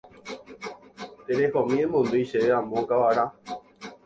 Terehomi emondýi chéve amo kavara.